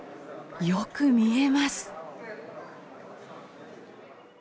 よく見えます。